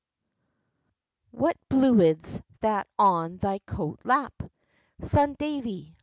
"WHAT bluid's that on thy coat lap? Son Davie!